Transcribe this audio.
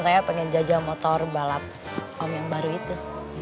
saya pengen jajah motor balap om yang baru itu